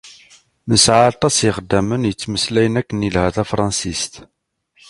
Nesɛa aṭas n yixeddamen yettmeslayen akken ilha tafṛansist.